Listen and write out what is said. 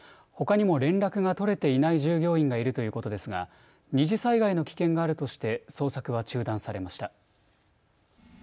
ほかにも連絡が取れていない従業員がいるということですが二次災害の危険があるとして捜索は中断されました。